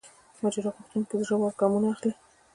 ماجرا غوښتونکو زړه ور ګامونه واخلي.